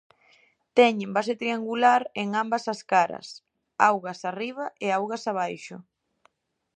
Teñen base triangular en ambas as caras: augas arriba e augas abaixo.